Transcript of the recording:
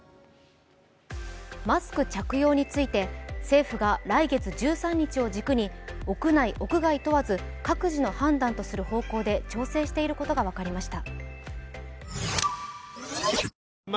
マスク着用について政府が来月１３日を軸に屋内・屋外問わず各自の判断とする方向で調整していることが分かりました。